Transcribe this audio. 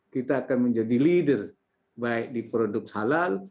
kita akan menjadi leader baik di produk halal